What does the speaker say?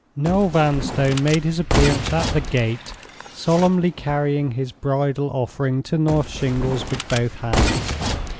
Noel Vanstone made his appearance at the gate, solemnly carrying his bridal offering to North Shingles with both hands.